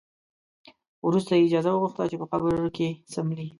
وروسته یې اجازه وغوښته چې په قبر کې څملي.